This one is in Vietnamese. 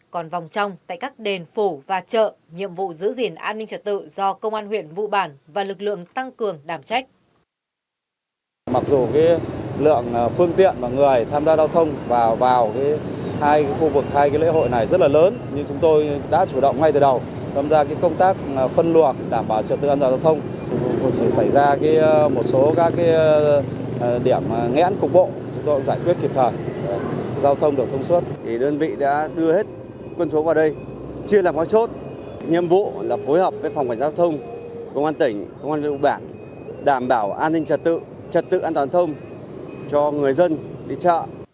còn vòng trong tại các đền phủ và chợ nhiệm vụ giữ gìn an ninh trật tự do công an huyện vụ bản và lực lượng tăng cường đảm trách